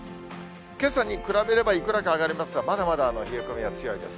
けさに比べればいくらか上がりますが、まだまだ冷え込みが強いです。